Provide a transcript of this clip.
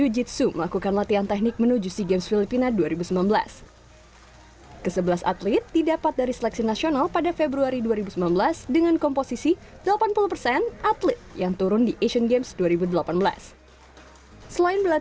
jiu jitsu indonesia